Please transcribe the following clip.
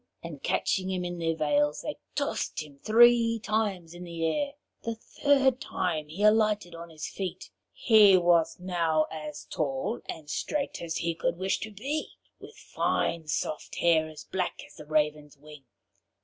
and catching him in their veils, they tossed him three times in the air. The third time he alighted on his feet. He was now as tall and straight as he could wish to be, with fine soft hair as black as the raven's wing.